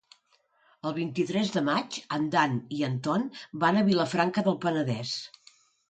El vint-i-tres de maig en Dan i en Ton van a Vilafranca del Penedès.